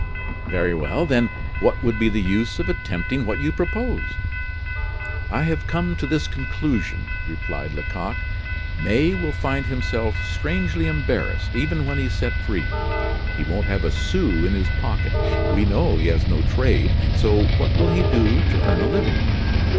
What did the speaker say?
"Very well. Then, what would be the use of attempting what you propose?" "I have come to this conclusion," replied Lecoq, "May will find himself strangely embarrassed, even when he's set free. He won't have a sou in his pocket; we know he has no trade, so what will he do to earn a living?